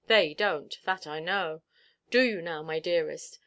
They donʼt. That I know. Do you now, my dearest?